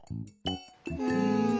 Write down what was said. うん。